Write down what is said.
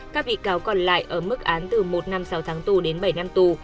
các bị cáo còn lại ở mức án từ một năm sáu tháng tù đến bảy năm tù